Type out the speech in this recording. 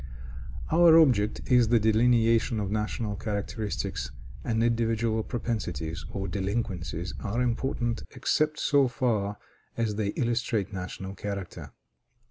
Our object is the delineation of national characteristics, and individual propensities or delinquencies are unimportant except so far as they illustrate national character.